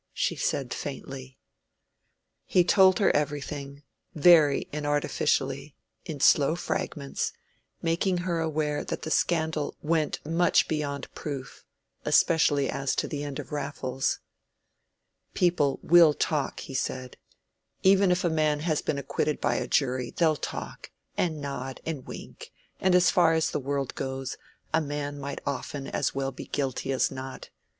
she said, faintly. He told her everything, very inartificially, in slow fragments, making her aware that the scandal went much beyond proof, especially as to the end of Raffles. "People will talk," he said. "Even if a man has been acquitted by a jury, they'll talk, and nod and wink—and as far as the world goes, a man might often as well be guilty as not.